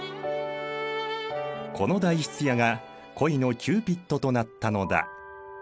この代筆屋が恋のキューピットとなったのだ。